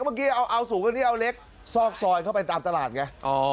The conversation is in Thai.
เมื่อกี้เอาสูงกว่านี้เอาเล็กซอกซอยเข้าไปตามตลาดไง